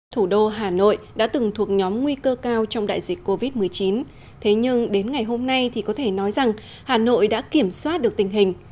thủ đô hà nội đã từng thuộc nhóm nguy cơ cao trong đại dịch covid một mươi chín thế nhưng đến ngày hôm nay thì có thể nói rằng hà nội đã kiểm soát được tình hình